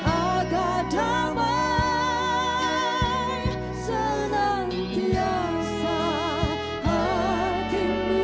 agar damai senantiasa hatimu